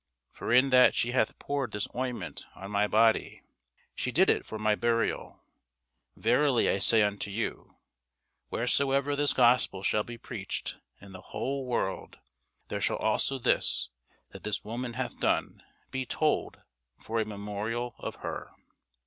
For in that she hath poured this ointment on my body, she did it for my burial. Verily I say unto you, Wheresoever this gospel shall be preached in the whole world, there shall also this, that this woman hath done, be told for a memorial of her.